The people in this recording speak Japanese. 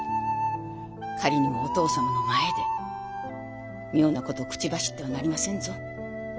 仮にもお父様の前で妙なことを口走ってはなりませんぞ。